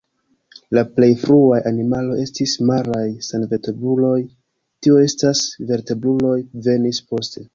La plej fruaj animaloj estis maraj senvertebruloj, tio estas, vertebruloj venis poste.